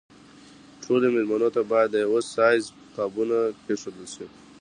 ټولو مېلمنو ته باید د یوه سایز قابونه کېښودل شي.